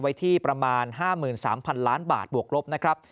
ไว้ที่ประมาณ๕๓๐๐๐ล้านบาทบวกลบนะครับ